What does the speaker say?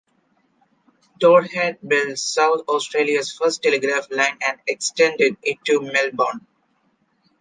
Todd had built South Australia's first telegraph line and extended it to Melbourne.